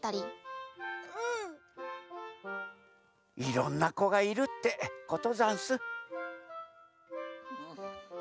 いろんなこがいるってことざんす。